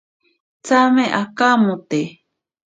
Tsame akamote.